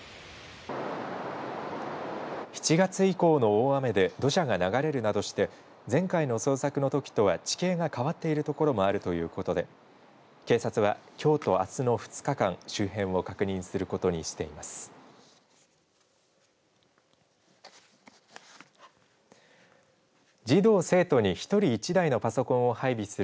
７月以降の大雨で土砂が流れるなどして前回の捜索のときとは地形が変わっている所もあるということで警察は、きょうとあすの２日間周辺を確認することにしています。